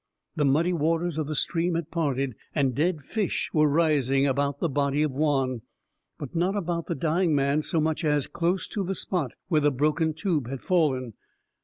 The muddy waters of the stream had parted, and dead fish were rising about the body of Juan. But not about the dying man so much as close to the spot where the broken tube had fallen.